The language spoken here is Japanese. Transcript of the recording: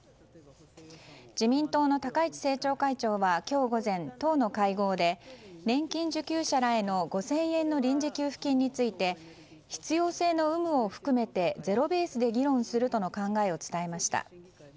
自民党の高市政調会長は今日午前党の会合で年金受給者らへの５０００円の臨時給付金について必要性の有無を含めてゼロベースで議論するとの考えを伝えました。